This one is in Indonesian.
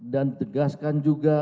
dan tegaskan juga